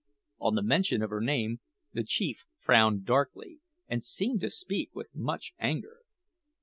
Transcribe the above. On the mention of her name the chief frowned darkly, and seemed to speak with much anger.